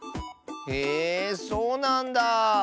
えそうなんだ。